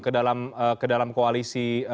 ke dalam koalisi